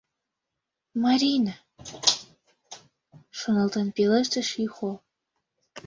— Марина... — шоналтен пелештыш Юхо.